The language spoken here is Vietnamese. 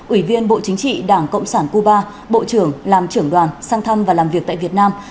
ủy viên bộ chính trị đảng cộng sản cuba bộ trưởng làm trưởng đoàn sang thăm và làm việc tại việt nam